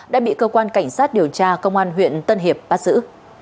đã bị cơ quan cảnh sát điều tra công an huyện tân hiệp bắt giữ